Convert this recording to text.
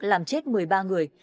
làm chết một mươi ba người